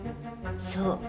そう。